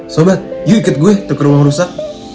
sobat yuk ikut gue tukar rumah rusak